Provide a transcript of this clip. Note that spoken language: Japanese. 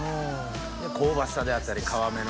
香ばしさであったり皮目の。